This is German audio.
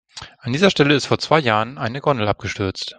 An dieser Stelle ist vor zwei Jahren eine Gondel abgestürzt.